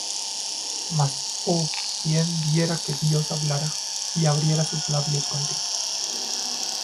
Mas ¬oh quién diera que Dios hablara, Y abriera sus labios contigo,